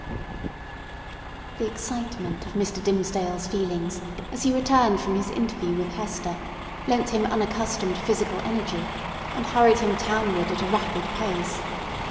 The excitement of Mr. Dimmesdale's feelings as he returned from his interview with Hester, lent him unaccustomed physical energy, and hurried him townward at a rapid pace.